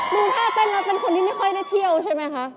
ดูท่าเต้นแล้วเป็นคนที่ไม่ค่อยได้เที่ยวใช่ไหมคะ